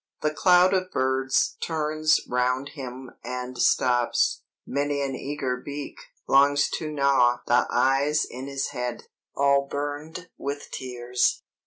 The cloud of birds turns round him and stops; many an eager beak longs to gnaw the eyes in his head, all burned with tears.